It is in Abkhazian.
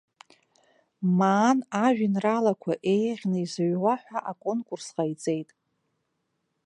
Маан ажәеинраалақәа еиӷьны изыҩуа ҳәа аконкурс ҟаиҵеит.